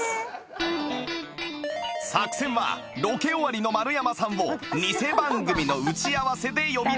作戦はロケ終わりの丸山さんを偽番組の打ち合わせで呼び出し